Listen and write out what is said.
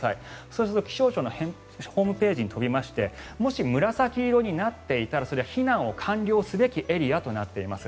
そうすると、気象庁のホームページに飛びましてもし、紫色になっていたらそれは避難を完了すべきエリアとなります。